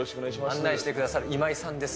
案内してくださる今井さんです。